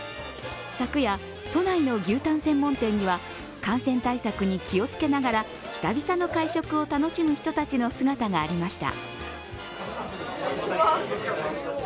昨夜、都内の牛タン専門店には感染対策に気をつけながら久々の会食を楽しむ人たちの姿がありました。